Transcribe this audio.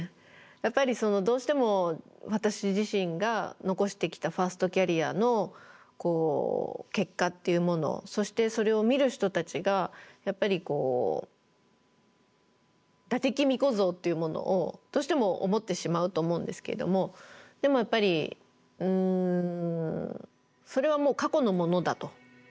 やっぱりどうしても私自身が残してきたファーストキャリアの結果っていうものそしてそれを見る人たちがやっぱり伊達公子像っていうものをどうしても思ってしまうと思うんですけれどもでもやっぱりそれは過去のものだと。